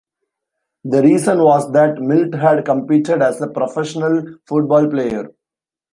The reason was that Milt had competed as a professional football player.